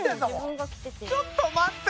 ちょっと待って！